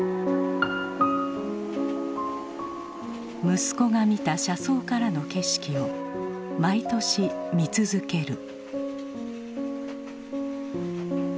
息子が見た車窓からの景色を毎年見続ける。